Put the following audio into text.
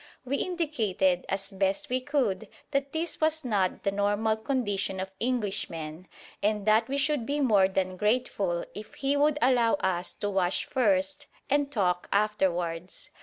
We indicated as best we could that this was not the normal condition of Englishmen, and that we should be more than grateful if he would allow us to wash first and talk afterwards.